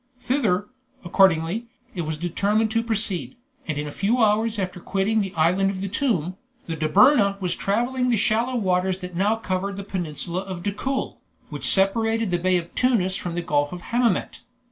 Thither, accordingly, it was determined to proceed, and in a few hours after quitting the island of the tomb, the Dobryna was traversing the shallow waters that now covered the peninsula of Dakhul, which had separated the Bay of Tunis from the Gulf of Hammamet.